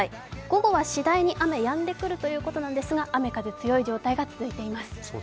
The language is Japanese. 午後はしだいに雨やんでくるということですが、雨風強い状態が続いています。